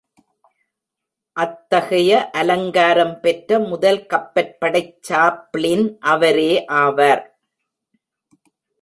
அத்தகைய அலங்காரம் பெற்ற முதல் கப்பற்படைச் சாப்ளின் அவரே ஆவார்.